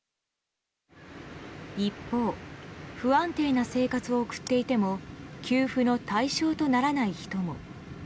一方、不安定な生活を送っていても給付の対象とならない人も。